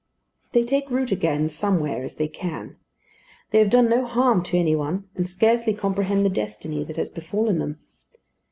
They take root again somewhere as they can. They have done no harm to any one, and scarcely comprehend the destiny that has befallen them.